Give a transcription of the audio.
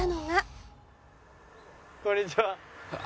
ああこんにちは。